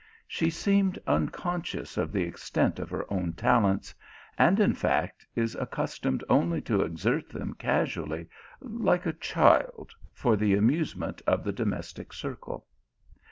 She seemed un conscious of the extent of her own talents, and in fact is accustomed only to exert them casually, like a child, for the amusement of the domestic circle.